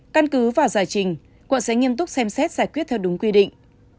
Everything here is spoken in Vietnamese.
căn cứ và giải trình quận sẽ nghiêm túc xem xét giải quyết theo đúng quy định